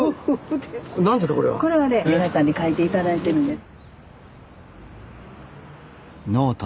これはね皆さんに書いて頂いてるんです。